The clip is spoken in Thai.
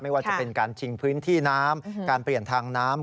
ว่าจะเป็นการชิงพื้นที่น้ำการเปลี่ยนทางน้ำ